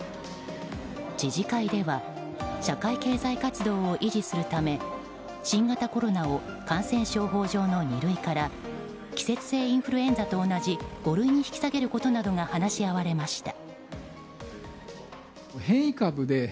知事会では社会経済活動を維持するため新型コロナを感染症法上の二類から季節性インフルエンザと同じ五類に引き下げることなどが話し合われました。